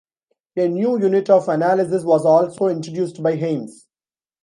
A new unit of analysis was also introduced by Hymes.